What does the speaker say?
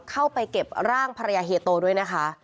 เข้าไปเก็บร่างภรรยาเฮียโตด้วยนะคะ